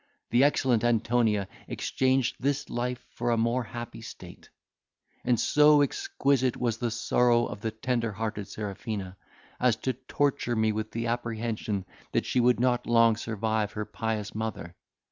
The excellent Antonia exchanged this life for a more happy state; and so exquisite was the sorrow of the tender hearted Serafina, as to torture me with the apprehension that she would not long survive her pious mother.